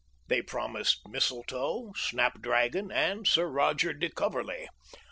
They promised mistletoe, snapdragon, and Sir Roger de Coverley.